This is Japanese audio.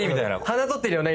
鼻撮ってるよね？